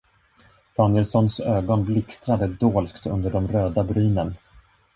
Danielssons ögon blixtrade dolskt under de röda brynen.